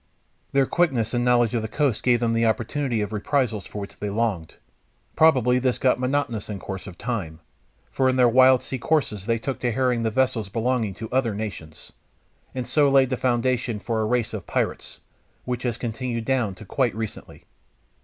Their quickness and knowledge of the coasts gave them the opportunity of reprisals for which they longed. Probably this got monotonous in course of time, for in their wild sea courses they took to harrying the vessels belonging to other nations, and so laid the foundation for a race of pirates, which has continued down to quite recently.